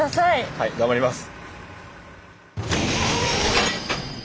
はい頑張ります！